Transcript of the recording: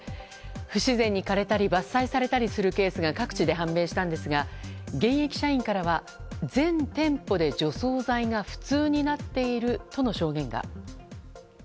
不自然に枯れたり伐採されたりするケースが各地で判明したんですが現役社員からは全店舗で除草剤が普通になっているとの証言が。